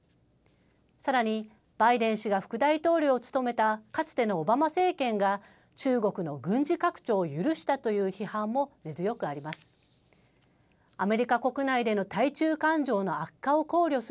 さらに、バイデン氏が副大統領を務めたかつてのオバマ政権が、中国の軍事拡張を許したという批判も根強くあります。